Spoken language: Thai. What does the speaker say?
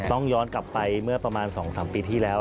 ต้องย้อนกลับไปเมื่อประมาณ๒๓ปีที่แล้ว